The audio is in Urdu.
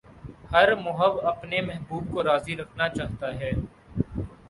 ہر محب اپنے محبوب کو راضی رکھنا چاہتا ہے